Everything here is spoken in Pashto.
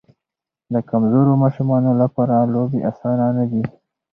د کمزورو ماشومانو لپاره لوبې اسانه نه دي.